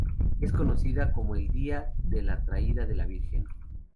Es conocida como el día de "la traída de la Virgen".